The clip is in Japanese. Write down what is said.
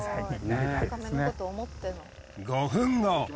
５分後。